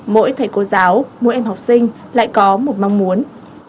mỗi thầy cô giáo mỗi em học sinh lại có một mong muốn